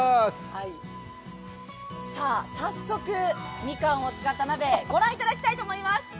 早速、みかんを使った鍋御覧いただきたいと思います。